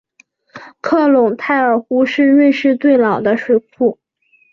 克隆泰尔湖是瑞士最老的水库。